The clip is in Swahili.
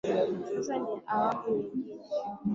Sasa hii ni awamu nyingine